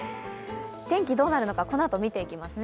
天気、どうなるのか、このあと見ていきますね。